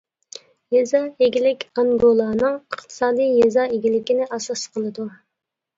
يېزا ئىگىلىك ئانگولانىڭ ئىقتىسادى يېزا ئىگىلىكىنى ئاساس قىلىدۇ.